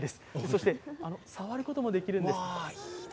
そして触ることもできるんです。